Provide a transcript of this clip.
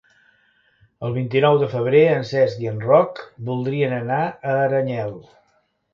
El vint-i-nou de febrer en Cesc i en Roc voldrien anar a Aranyel.